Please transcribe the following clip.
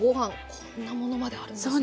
こんなものまであるんですね。